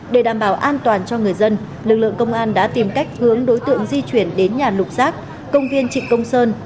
để đảm bảo an toàn cho người dân lực lượng công an đã tìm cách hướng đối tượng di chuyển đến nhà lục xác công viên trịnh công sơn